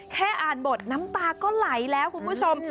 แค่อ่านบทน้ำตาก็ไหลแล้วคุณผู้ชม